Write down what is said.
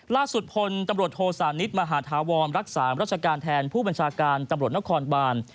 ล่าสุดพลตำรวจโทสานิทมหาธาวรรักษารัชการแทนผู้บัญชาการตำรวจนครบาน